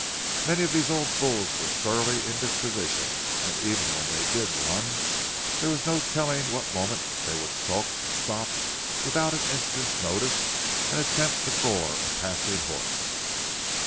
Many of these old bulls were surly in disposition, and even when they did run, there was no telling what moment they would sulk, stop without an instant's notice, and attempt to gore a passing horse.